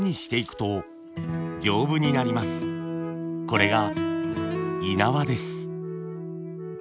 これがい縄です。